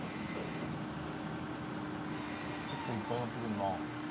結構いっぱい乗ってくんな。